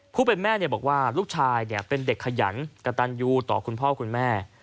ผู้เป็นแม่บอกว่าลูกชายเป็นเด็กขยันกระตันยูต่อคุณพ่อคุณแม่